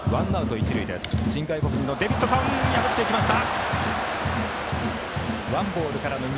新外国人のデビッドソン破っていきました。